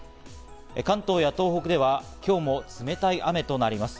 関東や東北では今日も冷たい雨となります。